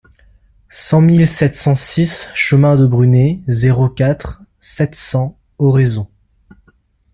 sept mille sept cent six chemin de Brunet, zéro quatre, sept cents, Oraison